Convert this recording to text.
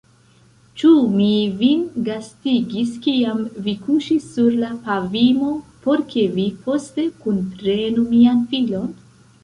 Ĉu mi vin gastigis, kiam vi kuŝis sur la pavimo, por ke vi poste kunprenu mian filon?